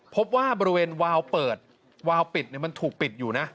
พบว่าบริเวณวาวเปิดวาวปิดมันถูกปิดอยู่นะ